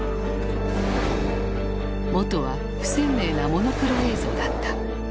元は不鮮明なモノクロ映像だった。